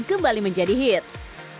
kembali menjadi hits